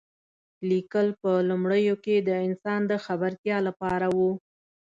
لیکل په لومړیو کې د انسان د خبرتیا لپاره و.